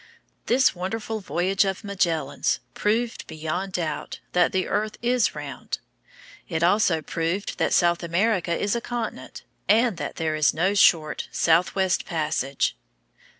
This wonderful voyage of Magellan's proved beyond doubt that the earth is round. It also proved that South America is a continent, and that there is no short southwest passage.